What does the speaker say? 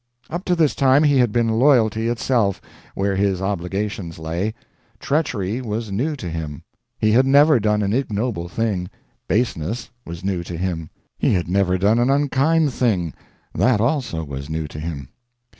Up to this time he had been loyalty itself, where his obligations lay treachery was new to him; he had never done an ignoble thing baseness was new to him; he had never done an unkind thing that also was new to him.